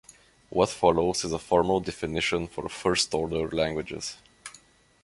What follows is a formal definition for first-order languages.